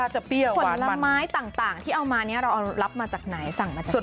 ผลไม้ต่างที่เอามานี้เราเอารับมาจากไหนสั่งมาจากไหน